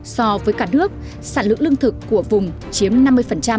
so với cả nước sản lượng lương thực của vùng chiếm năm mươi thủy sản chiếm bảy mươi